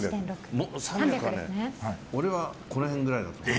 俺はこの辺ぐらいだと思う。